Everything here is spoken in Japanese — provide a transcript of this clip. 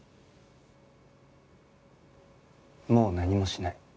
もう何もしない。